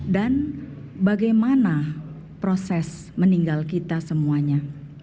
dan bagaimana proses meninggal kita semuanya